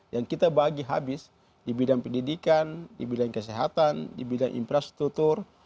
yang kita bagi habis di bidang pendidikan di bidang kesehatan di bidang infrastruktur